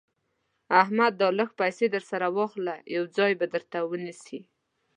احمده دا لږ پيسې در سره واخله؛ يو ځای به درته ونيسي.